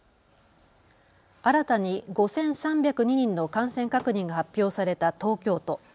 新たに５３０２人の感染確認が発表された東京都。